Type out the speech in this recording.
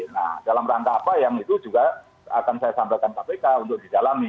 nah dalam rangka apa yang itu juga akan saya sampaikan kpk untuk didalami